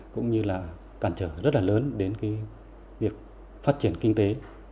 cũng như là cản trở rất lớn đến việc phát triển kinh tế